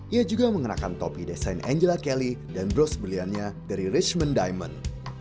ia juga mengenakan topi desain angela kelly dan bros briliannya dari richman diamond